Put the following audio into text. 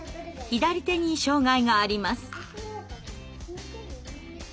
左手に障害があります。